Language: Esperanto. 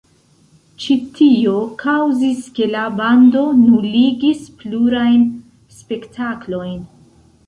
Ĉi tio kaŭzis ke la bando nuligis plurajn spektaklojn.